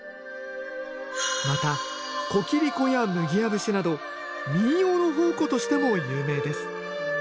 また「こきりこ」や「麦屋節」など民謡の宝庫としても有名です。